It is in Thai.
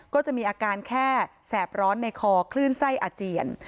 ก็จะมีอาการแค่แสบร้อนในคอคลื่นไส้อาเจียน